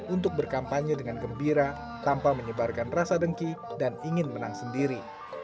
untuk berkampanye dengan gembira tanpa menyebarkan rasa dengki dan ingin menang sendiri